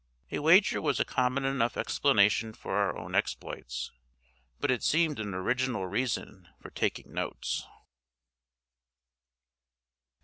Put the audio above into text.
A wager was a common enough explanation for our own exploits, but it seemed an original reason for taking notes.